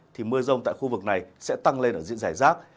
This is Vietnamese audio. thì mưa rông tại khu vực này sẽ tăng lên ở diện giải rác